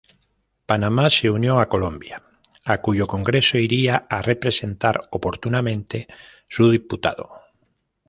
Panamá se unió a Colombia, a cuyo Congreso iría a representar oportunamente su diputado.